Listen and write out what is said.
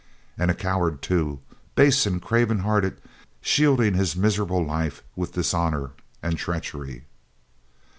And a coward too, base and craven hearted, shielding his miserable life with dishonour and treachery.